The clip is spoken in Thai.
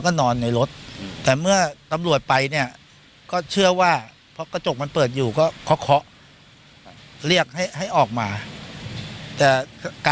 เค้าพบปืนออกมาด้วยนะครับ